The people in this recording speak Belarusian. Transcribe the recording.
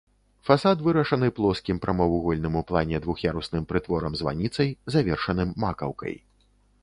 Фасад вырашаны плоскім прамавугольным у плане двух'ярусным прытворам-званіцай, завершаным макаўкай.